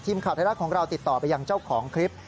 ทีมขับรถไทยรักษณ์ของเราติดต่อไปยังเจ้าของคลิป